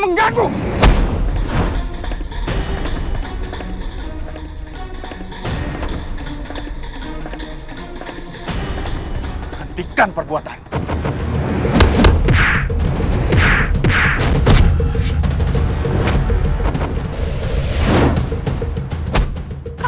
tung jangan galak galak